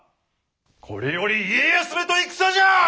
これより家康めと戦じゃ！